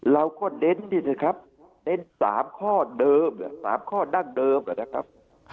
เราก็เน้นนี่เลยครับ๓ข้อเดิม๓ข้อดั่งเดิมก่อนนะครับ